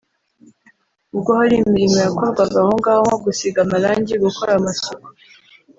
ubwo hari imirimo yakorwaga aho ngaho nko gusiga amarangi gukora amasuku